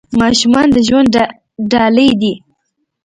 ماشومان د ژوند ډالۍ دي .